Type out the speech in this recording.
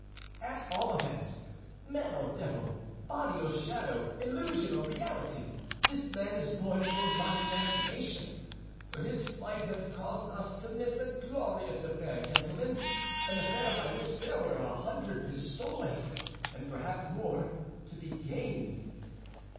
"At all events, man or devil, body or shadow, illusion or reality, this man is born for my damnation; for his flight has caused us to miss a glorious affair, gentlemen—an affair by which there were a hundred pistoles, and perhaps more, to be gained."